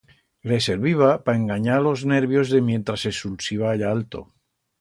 Le serviba pa enganyar los nervios de mientras se sulsiba allá alto.